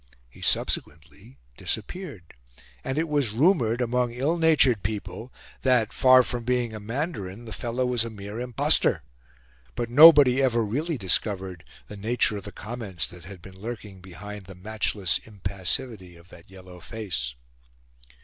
He subsequently disappeared, and it was rumoured, among ill natured people, that, far from being a mandarin, the fellow was a mere impostor. But nobody ever really discovered the nature of the comments that had been lurking behind the matchless impassivity of that yellow face.